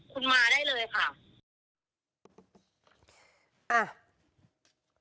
คุณมาได้เลยค่ะ